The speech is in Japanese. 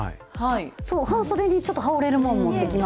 そう、半袖に、ちょっと羽織れるもん、持ってきました。